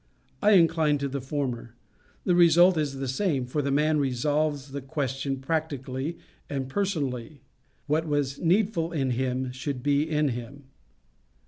I incline to the former. The result is the same, for the man resolves the question practically and personally: what was needful in him should be in him.